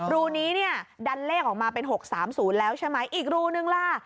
รูนี้เนี่ยดันเลขออกมาเป็น๖๓๐แล้วใช่ไหมอีกรูนึงล่ะ